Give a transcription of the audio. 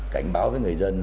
cảnh báo với người dân